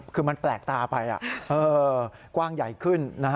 คือมันแปลกตาไปกว้างใหญ่ขึ้น